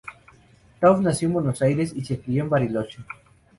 Taub nació en Buenos Aires y se crío en Bariloche.